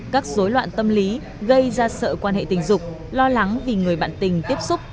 các dối loạn tâm lý gây ra sợ quan hệ tình dục lo lắng vì người bạn tình tiếp xúc